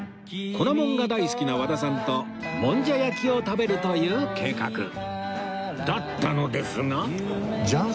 粉もんが大好きな和田さんともんじゃ焼きを食べるという計画だったのですが